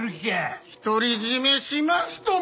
独り占めしますとも！